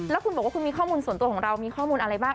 แล้วคุณบอกว่าคุณมีข้อมูลส่วนตัวของเรามีข้อมูลอะไรบ้าง